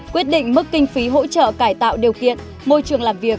quyết định mức kinh phí hỗ trợ cải tạo điều kiện môi trường làm việc